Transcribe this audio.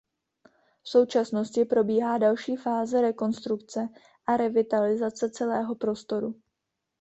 V současnosti probíhá další fáze rekonstrukce a revitalizace celého prostoru.